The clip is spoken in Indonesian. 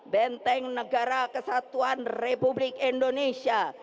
benteng negara kesatuan republik indonesia